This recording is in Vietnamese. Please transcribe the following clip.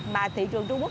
mà thị trường trung quốc